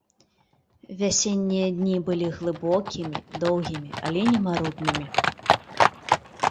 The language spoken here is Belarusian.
Вясеннія дні былі глыбокімі, доўгімі, але не маруднымі.